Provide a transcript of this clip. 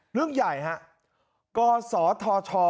เรื่องใหญ่ครับกศท